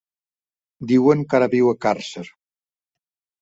Diuen que ara viu a Càrcer.